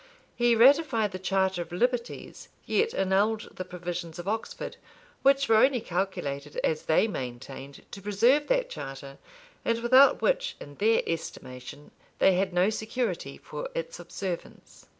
He ratified the charter of liberties, yet annulled the provisions of Oxford, which were only calculated, as they maintained, to preserve that charter; and without which, in their estimation, they had no security for its observance.